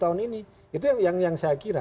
tahun ini itu yang saya kira